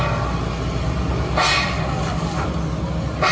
หรือว่าเกิดอะไรขึ้น